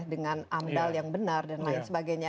dengan amdal yang benar dan lain sebagainya